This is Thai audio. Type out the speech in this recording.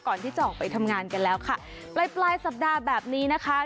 ก่อนที่จะออกไปทำงานกันแล้วค่ะปลายปลายสัปดาห์แบบนี้นะคะ